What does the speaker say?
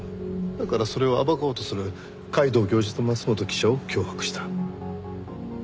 だからそれを暴こうとする皆藤教授と桝本記者を脅迫した。